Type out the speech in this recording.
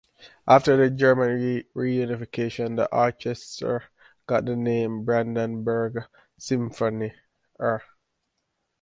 After the German reunification the orchestra got the name "Brandenburger Symphoniker".